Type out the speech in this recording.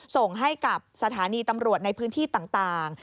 ส่งให้กับสถานีตำรวจในพื้นที่ต่าง